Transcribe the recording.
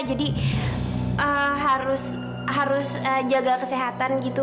harus jaga kesehatan gitu